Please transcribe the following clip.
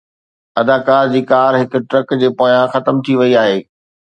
اداڪار جي ڪار هڪ ٽرڪ جي پويان ختم ٿي وئي آهي